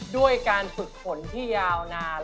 ด้วยการฝึกฝนที่ยาวนาน